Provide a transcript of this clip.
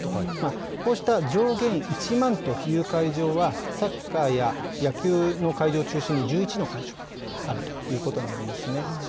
こうした上限１万という会場は、サッカーや野球の会場を中心に１１の会場になるということですね。